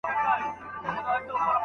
خور وايي وروره، ورور وای خورې مه ځه